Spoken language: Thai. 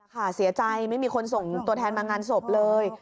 เสียใจไม่มีคนส่งตัวแทนมางานศพเลย